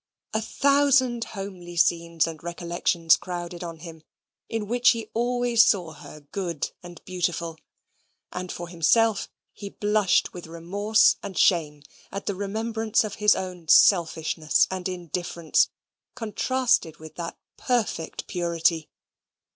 A thousand homely scenes and recollections crowded on him in which he always saw her good and beautiful. And for himself, he blushed with remorse and shame, as the remembrance of his own selfishness and indifference contrasted with that perfect purity.